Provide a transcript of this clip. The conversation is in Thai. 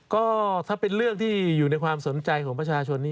ก็ถ้าเป็นเรื่องที่อยู่ในความสนใจของประชาชนนี้